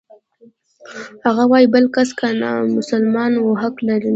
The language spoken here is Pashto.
هغه وايي بل کس که نامسلمان و حق نلري.